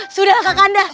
sudah kak kanda